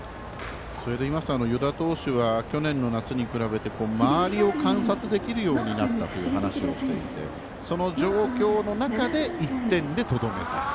それでいいますと湯田投手は去年の夏に比べて周りを観察できるようになったという話をしていて、その状況の中で１点でとどめた。